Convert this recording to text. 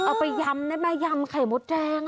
เอาไปยำนะมายำไข่มดแดง